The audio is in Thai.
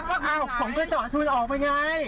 ผมก็ต่อคุณออกไปไง